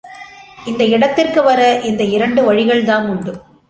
இந்த இடத்திற்கு வர இந்த இரண்டு வழிகள் தாம் உண்டு.